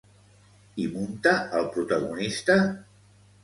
Hi munta el protagonista?